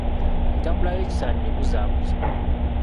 Entambula y’ekisaanyi ebuzaabuza.